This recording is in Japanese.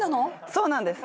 そうなんです。